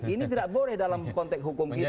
ini tidak boleh dalam konteks hukum kita